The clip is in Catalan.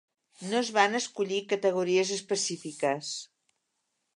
No es van escollir categories específiques.